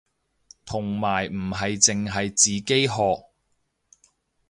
同埋唔係淨係自己學